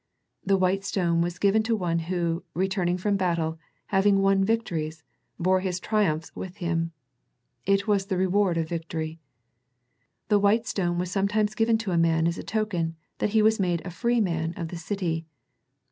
The white stone was given to one who, returning from battle, having won victories, bore his triumphs with him. It was the reward of victory. The white stone was sometimes given to a man as the token that he was made a free man of the city.